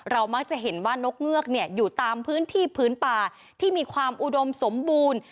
มักจะเห็นว่านกเงือกอยู่ตามพื้นที่พื้นป่าที่มีความอุดมสมบูรณ์